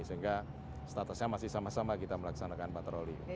sehingga statusnya masih sama sama kita melaksanakan patroli